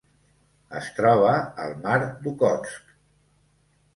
Es troba al Mar d'Okhotsk.